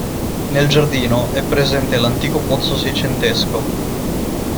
Nel giardino è presente l'antico pozzo seicentesco.